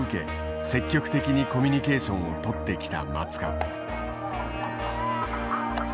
積極的にコミュニケーションをとってきた松川。